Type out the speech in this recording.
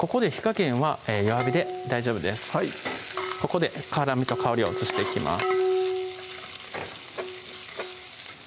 ここで辛みと香りを移していきます